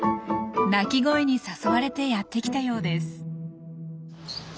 鳴き声に誘われてやって来たようです。